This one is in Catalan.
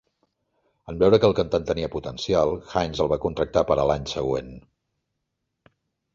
En veure que el cantant tenia potencial, Hines el va contractar per a l'any següent.